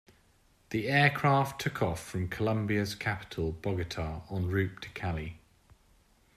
The aircraft took off from the Colombian capital Bogotá en route to Cali.